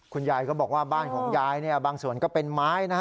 คุณยายก็บอกว่าบ้านของยายบางส่วนก็เป็นไม้นะฮะ